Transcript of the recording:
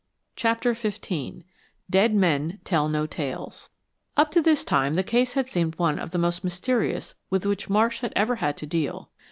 CHAPTER XV "DEAD MEN TELL NO TALES" Up to this time the case had seemed one of the most mysterious with which Marsh had ever had to deal.